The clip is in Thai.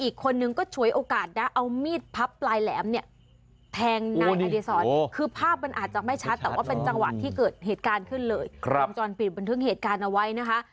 กลุ่มจรปิดบนทึ่งเหตุการณ์เอาไว้นะคะ